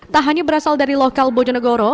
tak hanya berasal dari lokal bojonegoro